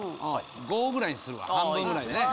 ５ぐらいにするわ半分ぐらいね。